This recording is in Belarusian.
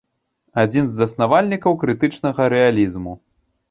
Адзін з заснавальнікаў крытычнага рэалізму.